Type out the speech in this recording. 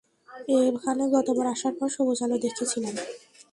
এখানে গতবার আসার পর, সবুজ আলো দেখেছিলাম।